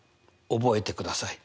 覚えてください。